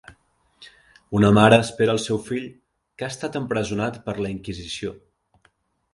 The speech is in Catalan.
Una mare espera al seu fill que ha estat empresonat per la Inquisició.